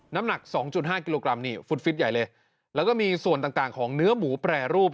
น้ำหนัก๒๕กิโลกรัมนี่ฟุตฟิตใหญ่เลยแล้วก็มีส่วนต่างของเนื้อหมูแปรรูป